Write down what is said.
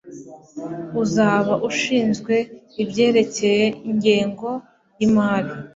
uzaba ashinzwe ibyerekeye ingengo y'imari